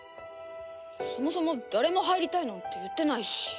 そもそも誰も入りたいなんて言ってないし。